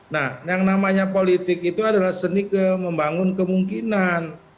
nah yang namanya politik itu adalah seni membangun kemungkinan